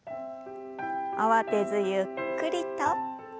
慌てずゆっくりと。